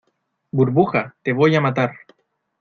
burbuja, te voy a matar.